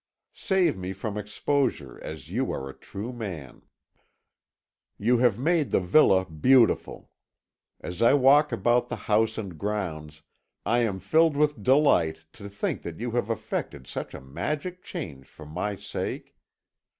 Save me from exposure as you are a true man. "You have made the villa beautiful. As I walk about the house and grounds I am filled with delight to think that you have effected such a magic change for my sake.